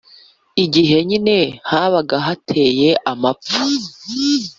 igihe nyine habaga hateye amapfa.